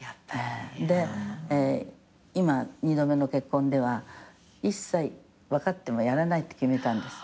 で今二度目の結婚では一切分かってもやらないって決めたんです。